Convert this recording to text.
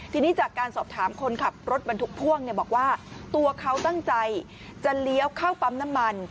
ทีนี้จากการสอบถามคนขับรถบรรทุกพ่วงบอกว่าตัวเขาตั้งใจจะเลี้ยวเข้าปั๊มน้ำมัน